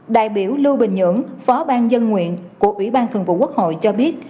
đại biểu lưu bình nhưỡng phó ban dân nguyện của ủy ban thường vụ quốc hội cho biết